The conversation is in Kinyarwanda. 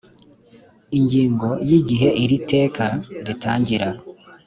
ingingo ya igihe iri iteka ritangira